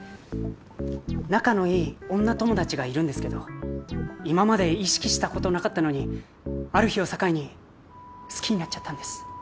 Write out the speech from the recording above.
仲のいい女友達がいるんですけど今まで意識したことなかったのにある日を境に好きになっちゃったんです。